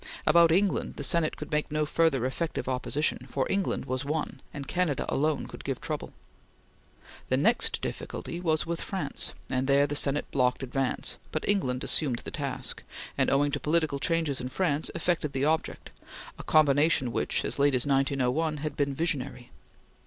About England the Senate could make no further effective opposition, for England was won, and Canada alone could give trouble. The next difficulty was with France, and there the Senate blocked advance, but England assumed the task, and, owing to political changes in France, effected the object a combination which, as late as 1901, had been visionary.